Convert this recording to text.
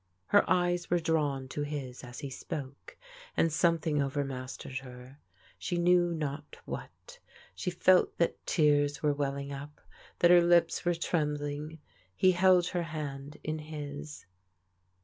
Her eyes were drawn to his as he spoke, and some thing overmastered her, she knew not what. She felt that tears were welling up, that her lips were trembling. He held her hand in his.